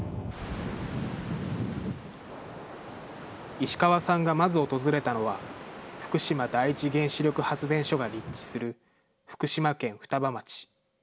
石川さんがまず訪れたのは、福島第一原子力発電所が立地する福島県双葉町。